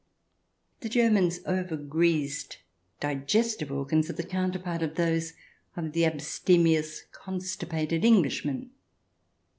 The German's over greased digestive organs are the counterpart of those of the abstemious, constipated Englishman.